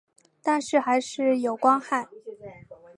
但是还是有光害